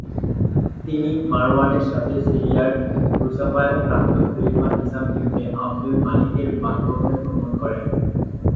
তিনি মারওয়ানের সাথে সিরিয়ার রুসাফায় প্রাক্তন খলিফা হিশাম ইবনে আবদুল মালিকের বাসভবনে ভ্রমণ করেন।